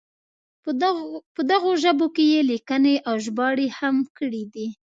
په دغو ژبو کې یې لیکنې او ژباړې هم کړې دي.